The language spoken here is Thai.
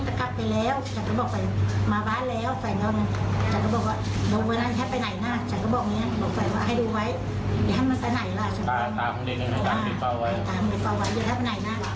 ดูให้อย่าโรงแรมมันตาไหน